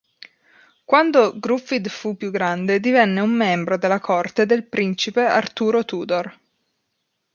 Quando Gruffydd fu più grande divenne un membro della corte del principe Arturo Tudor.